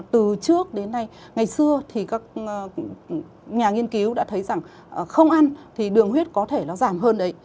từ trước đến nay ngày xưa thì các nhà nghiên cứu đã thấy rằng không ăn thì đường huyết có thể nó giảm hơn đấy